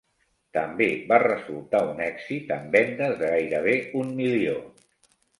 També va resultar un èxit, amb vendes de gairebé un milió.